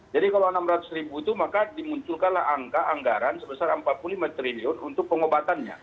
kalau rp enam ratus ribu itu maka dimunculkanlah angka anggaran sebesar empat puluh lima triliun untuk pengobatannya